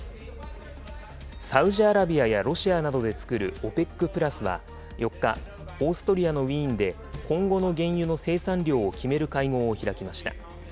サウジアラビアやロシアなどで作るＯＰＥＣプラスは、４日、オーストリアのウィーンで、今後の原油の生産量を決める会合を開きました。